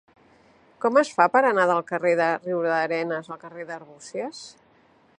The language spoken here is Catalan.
Com es fa per anar del carrer de Riudarenes al carrer d'Arbúcies?